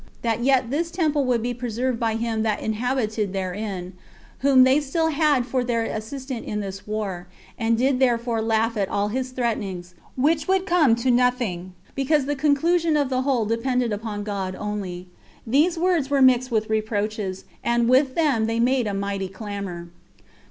That yet this temple would be preserved by him that inhabited therein, whom they still had for their assistant in this war, and did therefore laugh at all his threatenings, which would come to nothing, because the conclusion of the whole depended upon God only. These words were mixed with reproaches, and with them they made a mighty clamor.